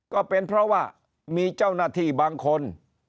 ก็เป็นเพราะว่ามีเจ้าหน้าที่บางคน